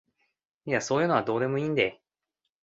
いやそういうのはどうでもいいんで